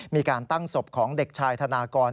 มีการตั้งศพของเด็กชายธนากร